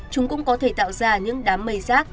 chúng cũng có thể tạo ra những đám mây rác